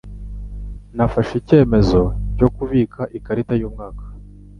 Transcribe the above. Nafashe icyemezo cyo kubika ikarita yumwaka.